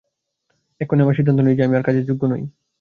এক্ষণে আমার সিদ্ধান্ত এই যে, আমি আর কাজের যোগ্য নই।